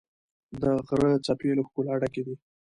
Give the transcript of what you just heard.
د غره څپې له ښکلا ډکې دي.